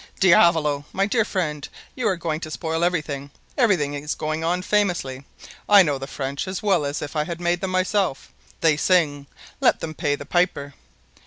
"Diavolo! my dear friend, you are going to spoil everything—everything is going on famously. I know the French as well as if I had made them myself. They sing—let them pay the piper.